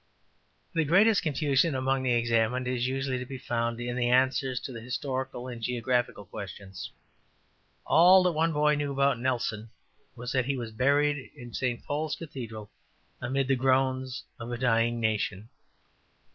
'' The greatest confusion among the examined is usually to be found in the answers to historical and geographical questions. All that one boy knew about Nelson was that he ``was buried in St. Paul's Cathedral amid the groans of a dying nation.''